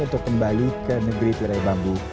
untuk kembali ke negeri tirai bambu